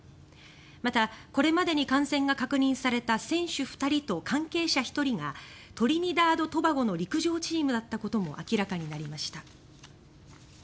また、これまでに感染が確認された選手２人と関係者１人がトリニダード・トバゴの陸上チームだったことも明らかになりました。